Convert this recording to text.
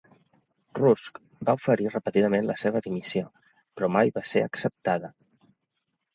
Rusk va oferir repetidament la seva dimissió, però mai va ser acceptada.